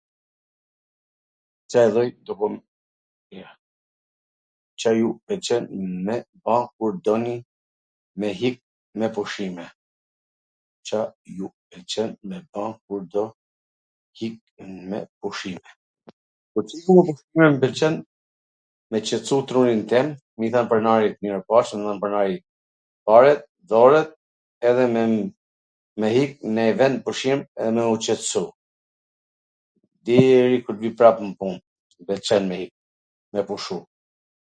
Ca ju pwlqen me ba kur doni me hik me pushime? Kur t iki me pushime du me qetsu trurin tem, me i thwn pronarit mirupafshim, tw marri paret, dhorot, edhe me hik nw nj ven pushim, me u qetsu deri kur t vi prap nw pun mw pwlqen me hik me pushu